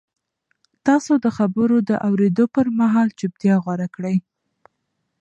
تاسو د خبرونو د اورېدو پر مهال چوپتیا غوره کړئ.